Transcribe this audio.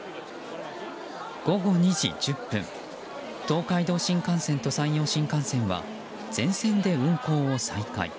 午後２時１０分東海道新幹線と山陽新幹線は全線で運行を再開。